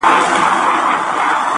نسه ـ نسه جام د سوما لیري کړي.